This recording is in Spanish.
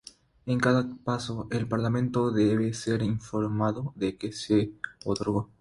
En cada caso, el Parlamento debe ser informado de que se otorgó.